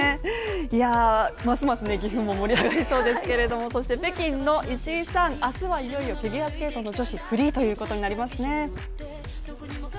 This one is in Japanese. ますます岐阜も盛り上がりそうですけれども、そして北京の石井さん、明日はいよいよフィギュアスケートの女子フリーということになりますね。